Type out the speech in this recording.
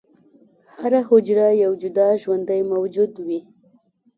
هره حجره یو جدا ژوندی موجود وي.